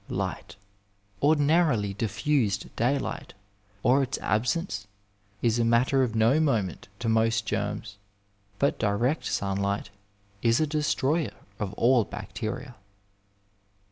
Light, ordinarily diffused day light, or its absence, is a matter of no moment to most germs, but direct sunlight is a destroyer of all bacteria.